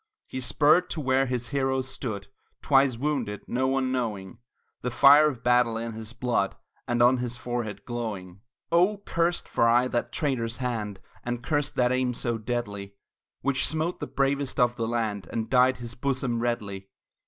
He spurred to where his heroes stood Twice wounded, no one knowing The fire of battle in his blood And on his forehead glowing. Oh! cursed for aye that traitor's hand, And cursed that aim so deadly, Which smote the bravest of the land, And dyed his bosom redly.